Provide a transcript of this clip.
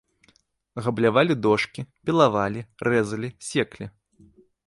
Габлявалі дошкі, пілавалі, рэзалі, секлі.